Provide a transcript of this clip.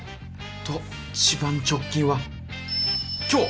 と一番直近は今日。